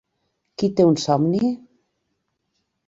Qui té un somni?